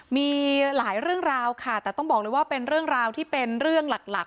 มีหลายเรื่องราวค่ะแต่ต้องบอกเลยว่าเป็นเรื่องราวที่เป็นเรื่องหลัก